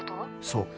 そう。